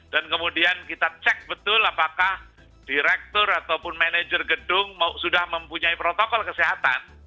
dan kemudian kita cek betul apakah direktur ataupun manajer gedung sudah mempunyai protokol kesehatan